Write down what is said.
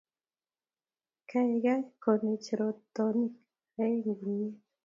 Kaikai konech rotonik aeng ak kimyet